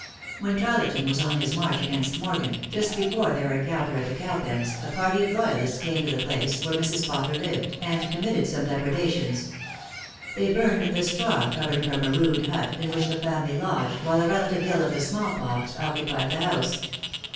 When Tarleton was on his march against Morgan, just before their encounter at the Cowpens, a party of loyalists came to the place where Mrs. Potter lived, and committed some depredations. They burned the straw covering from a rude hut, in which the family lodged, while a relative ill of the smallpox occupied the house.